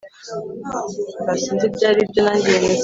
Wibuke ko yabayeho mbere yawe